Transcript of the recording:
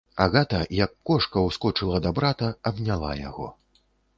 Агата, як кошка, ускочыла да брата, абняла яго.